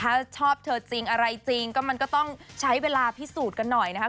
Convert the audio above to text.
ถ้าชอบเธอจริงอะไรจริงก็มันก็ต้องใช้เวลาพิสูจน์กันหน่อยนะครับ